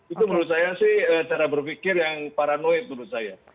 itu menurut saya sih cara berpikir yang paranoid menurut saya